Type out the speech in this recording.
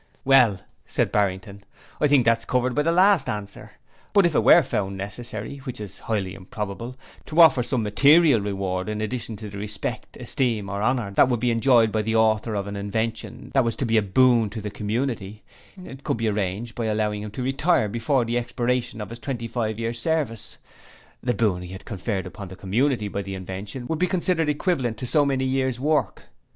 'Well,' said Barrington, 'I think that's covered by the last answer, but if it were found necessary which is highly improbable to offer some material reward in addition to the respect, esteem or honour that would be enjoyed by the author of an invention that was a boon to the community, it could be arranged by allowing him to retire before the expiration of his twenty five years service. The boon he had conferred on the community by the invention, would be considered equivalent to so many years work.